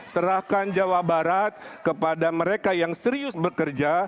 serahkan jawa barat kepada mereka yang serius bekerja